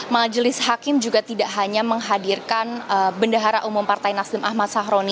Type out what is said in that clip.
majelis hakim juga tidak hanya menghadirkan bendahara umum partai nasdem ahmad sahroni